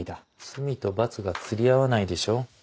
罪と罰が釣り合わないでしょ。